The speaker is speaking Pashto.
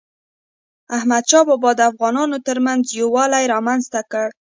احمدشاه بابا د افغانانو ترمنځ یووالی رامنځته کړ.